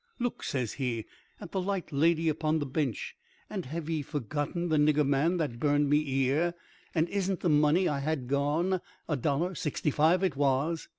"Look," says he, "at the light lady upon the bench. And have ye forgotten the nigger man that burned me ear? And isn't the money I had gone—a dollar sixty five it was?"